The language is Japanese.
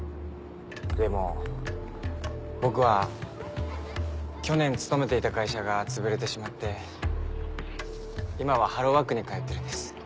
でも僕は去年勤めていた会社がつぶれてしまって今はハローワークに通ってるんです。